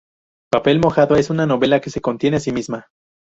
Papel mojado es una novela que se contiene a sí misma.